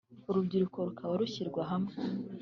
urubyiruko rukaba rushyirwa hamwe